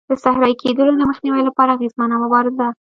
د صحرایې کېدلو د مخنیوي لپاره اغېزمنه مبارزه.